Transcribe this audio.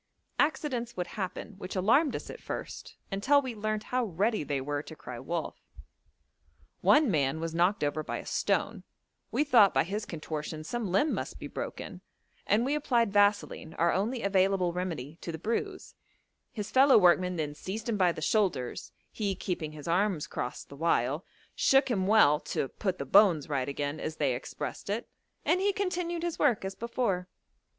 Accidents would happen, which alarmed us at first, until we learnt how ready they were to cry wolf: one man was knocked over by a stone; we thought by his contortions some limb must be broken, and we applied vaseline, our only available remedy, to the bruise; his fellow workmen then seized him by the shoulders, he keeping his arms crossed the while, shook him well 'to put the bones right again,' as they expressed it, and he continued his work as before.